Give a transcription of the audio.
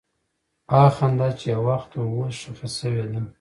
هغه خندا چې یو وخت وه، اوس ښخ شوې ده.